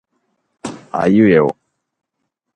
あいうえあ